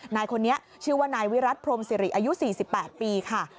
นายคนนี้ชื่อว่านายวิรัติพรมศิริอายุ๔๘ปีค่ะ